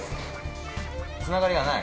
つながりがない？